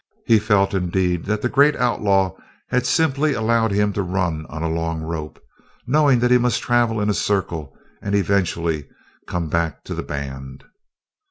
He felt, indeed, that the great outlaw had simply allowed him to run on a long rope, knowing that he must travel in a circle and eventually come back to the band.